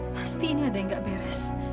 pasti ini ada yang gak beres